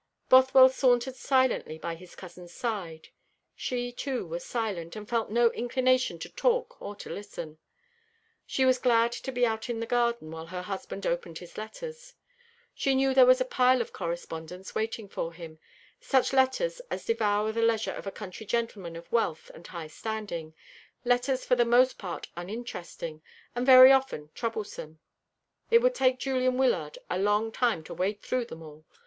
Bothwell sauntered silently by his cousin's side. She, too, was silent, and felt no inclination to talk or to listen. She was glad to be out in the garden while her husband opened his letters. She knew there was a pile of correspondence waiting for him such letters as devour the leisure of a country gentleman of wealth and high standing, letters for the most part uninteresting, and very often troublesome. It would take Julian Wyllard a long time to wade through them all.